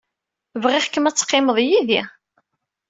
Bɣiɣ-kem ad teqqimed yid-i.